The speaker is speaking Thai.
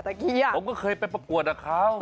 ผมก็เคยไปประกวดอะครับ